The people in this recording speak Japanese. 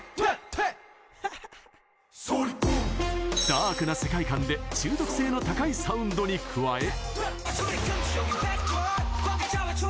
ダークな世界観で中毒性の高いサウンドに加え。